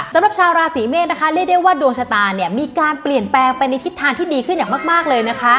สำหรับชาวราศีเมษนะคะเรียกได้ว่าดวงชะตาเนี่ยมีการเปลี่ยนแปลงไปในทิศทางที่ดีขึ้นอย่างมากเลยนะคะ